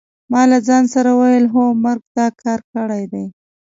ما له ځان سره وویل: هو مرګ دا کار کړی دی.